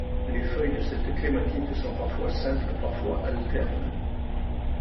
Les feuilles de cette clématite sont parfois simples, parfois alternes.